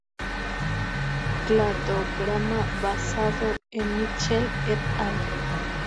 Cladograma basado en Mitchell "et al".